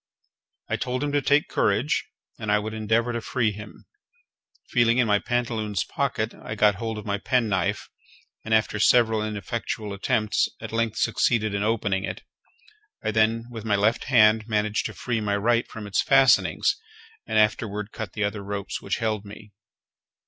I told him to take courage, and I would endeavor to free him. Feeling in my pantaloons' pocket, I got hold of my penknife, and, after several ineffectual attempts, at length succeeded in opening it. I then, with my left hand, managed to free my right from its fastenings, and afterward cut the other ropes which held me.